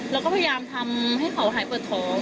เราก็พยายามทำให้เขาหายปวดท้อง